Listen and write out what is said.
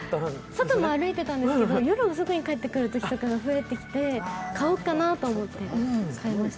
外も歩いてたんですけど、夜遅くに帰ってくることが増えてきて、買おっかなと思って買いました。